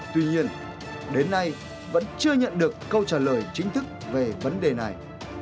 tuy nhiên đến nay vẫn chưa nhận được câu trả lời chính thức về vấn đề này